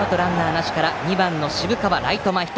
なしがら２番の渋川、ライト前ヒット。